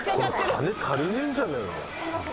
これ金足りねえんじゃねえの？